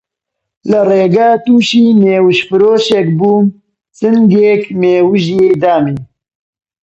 لە ڕێگە تووشی مێوژفرۆشێک بووم، چنگێک مێوژێ دامێ